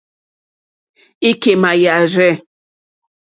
Ìkémà yàrzɛ̂.